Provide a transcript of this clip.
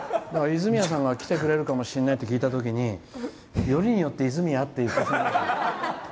泉谷さんが来てくれるかもしれないって聞いたときよりによって泉谷？って思ったけど。